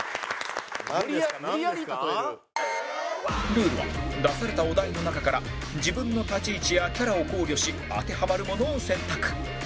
ルールは出されたお題の中から自分の立ち位置やキャラを考慮し当てはまるものを選択